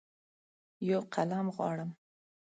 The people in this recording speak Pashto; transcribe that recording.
یوقلم غواړم